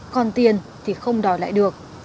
còn tiền thì không đòi lại được